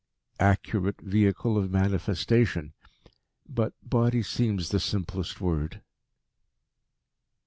"Accurate vehicle of manifestation; but 'body' seems the simplest word."